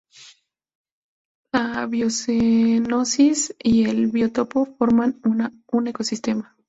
La biocenosis y el biotopo forman un ecosistema.